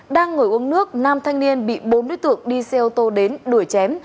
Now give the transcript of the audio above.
đang ngồi uống nước nam thanh niên bị bốn đối tượng đi xe ô tô đến đuổi chém